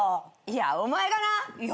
いやお前もな。